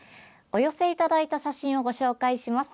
お寄せいただいた写真をご紹介します。